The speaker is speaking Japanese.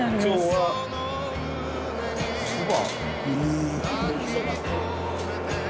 そば？